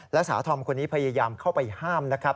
และสาวธอมคนนี้พยายามเข้าไปห้ามนะครับ